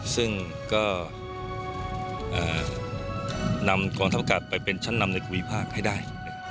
ซึ่งก็นำกองทัพอากาศไปเป็นชั้นนำในภูมิภาคให้ได้